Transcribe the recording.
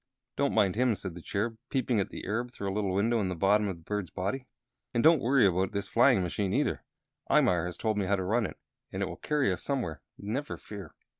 "Don't mind him," said the Cherub, peeping at the Arab through a little window in the bottom of the bird's body. "And don't worry about this flying machine, either. Imar has told me how to run it, and it will carry us somewhere, never fear.